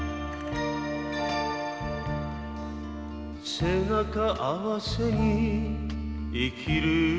「背中合わせに生きるよりも」